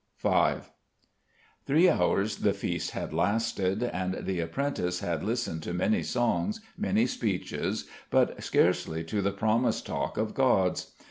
V Three hours the feast had lasted: and the apprentice had listened to many songs, many speeches, but scarcely to the promised talk of gods.